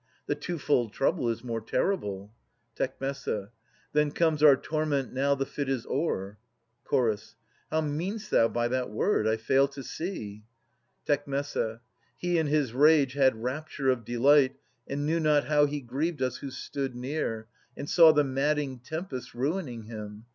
The two fold trouble is more terrible. Tec. Then comes our torment now the fit is o'er. Ch. How mean'st thou by that word? I fail to see. Tec He in his rage had rapture of delight And knew not how he grieved us who stood near And saw the madding tempest ruining him.